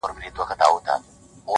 يوه غټ سترگي دومره لېونتوب ته رسيدلې!!